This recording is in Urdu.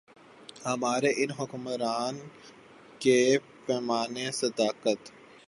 ہمارے ان حکمرانوں کے پیمانۂ صداقت۔